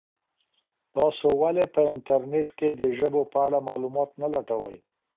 تاسي ولي په انټرنیټ کي د ژبو په اړه معلومات نه لټوئ؟